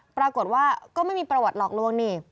ปรากฏว่าก็ไม่มีประวัติหลอกลวงนี่